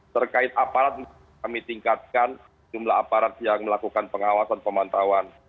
terkait aparat kami tingkatkan jumlah aparat yang melakukan pengawasan pemantauan